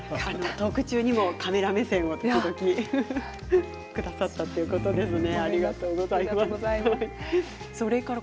トーク中にもカメラ目線をくださったということですね。